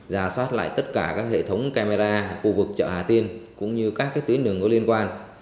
giả soát lại tất cả các hệ thống camera khu vực chợ hà tiên cũng như các tuyến đường có liên quan